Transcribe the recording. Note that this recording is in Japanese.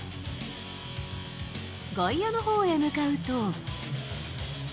外野のほうへ向かうと。